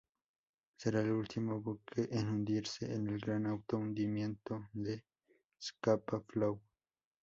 Ser el último buque en hundirse en el gran auto hundimiento de Scapa Flow.